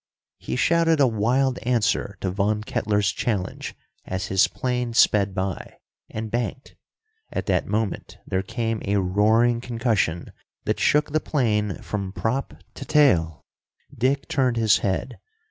He shouted a wild answer to Von Kettler's challenge as his plane sped by, and banked. At that moment there came a roaring concussion that shook the plane from prop to tail. Dick turned his head.